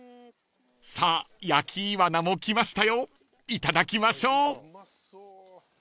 ［さあ焼きイワナも来ましたよいただきましょう！］